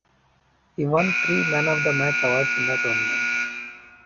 He won three Man-of-the-Match awards in the tournament.